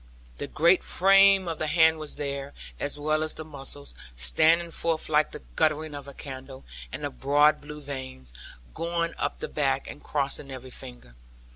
The great frame of the hand was there, as well as the muscles, standing forth like the guttering of a candle, and the broad blue veins, going up the back, and crossing every finger.